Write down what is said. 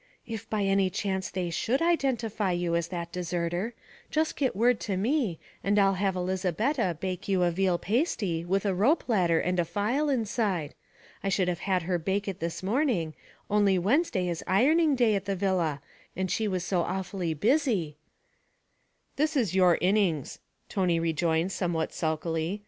'If by any chance they should identify you as that deserter, just get word to me and I will have Elizabetta bake you a veal pasty with a rope ladder and a file inside. I would have had her bake it this morning, only Wednesday is ironing day at the villa, and she was so awfully busy ' 'This is your innings,' Tony rejoined somewhat sulkily.